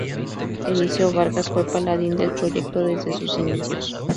Eliseo Vargas fue paladín del proyecto desde sus inicios.